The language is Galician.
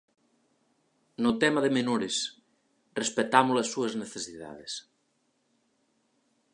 No tema de menores, respectamos as súas necesidades.